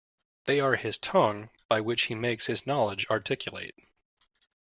They are his tongue, by which he makes his knowledge articulate.